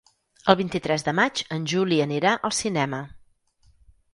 El vint-i-tres de maig en Juli anirà al cinema.